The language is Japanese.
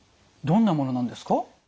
どんなものなんですか？